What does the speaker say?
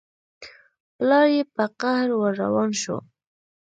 پلار يې په قهر ور روان شو.